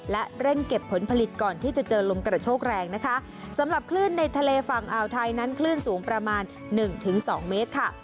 และเร่งเก็บผลผลิตก่อนที่จะเจอลมกระโชกแรงนะคะสำหรับคลื่นในทะเลฝั่งอ่าวไทยนั้นคลื่นสูงประมาณหนึ่งถึงสองเมตรค่ะ